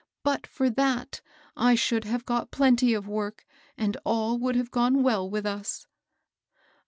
But for that, I should have got plenty of work, and all would have gone well with us."